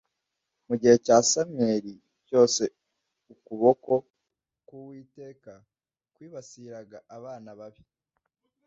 Mu gihe cya Samweli cyose ukuboko k Uwiteka kwibasiraga abana babi